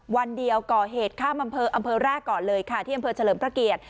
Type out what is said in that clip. วันเดียวก่อเหตุข้ามอำเภออำเภอแรกก่อนเลยค่ะที่อำเภอเฉลิมพระเกียรติ